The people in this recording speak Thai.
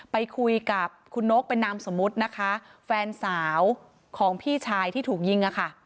ไปคุยกับคุณนกเป็นนามสมมุตินะคะแฟนสาวของพี่ชายที่ถูกยิงอะค่ะ